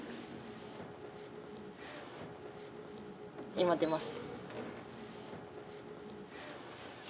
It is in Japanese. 今出ます。